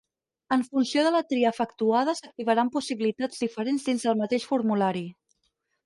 En funció de la tria efectuada s'activaran possibilitats diferents dins del mateix formulari.